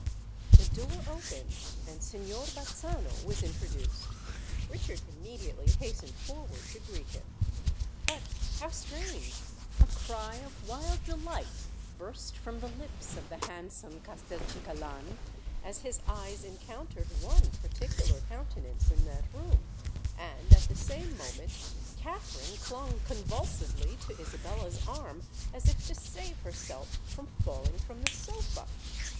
The door opened; and Signor Bazzano was introduced. Richard immediately hastened forward to greet him. But—how strange!—a cry of wild delight burst from the lips of the handsome Castelcicalan, as his eyes encountered one particular countenance in that room;—and at the same moment Katherine clung convulsively to Isabella's arm, as if to save herself from falling from the sofa.